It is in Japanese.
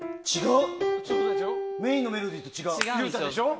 メインのメロディーと違う。